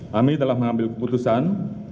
kami telah mengambil keputusan